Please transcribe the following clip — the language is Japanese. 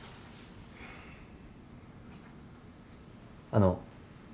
あの。